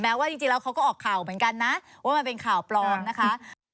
แม้ว่าจริงแล้วนี่มันเป็นข่าวปลอมเนี่ยค่ะ